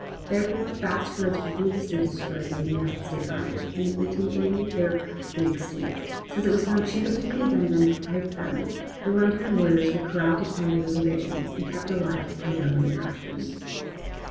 Therefore vast herds were ruthlessly destroyed by the United States army, and by 1880 they were practically extinct. Since it was found cheaper to feed than to fight them, the one time warriors were corralled upon their reservations and kept alive upon Government rations.